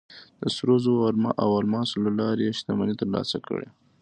د سرو زرو او الماسو له لارې یې شتمنۍ ترلاسه کړې.